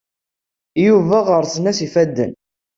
Yuba rrẓen-as yifadden.